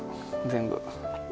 全部。